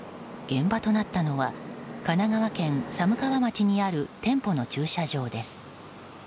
現場となったのは神奈川県寒川町にある店舗の駐車場です。